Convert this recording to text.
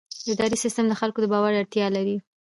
اداري سیستم د خلکو د باور اړتیا لري.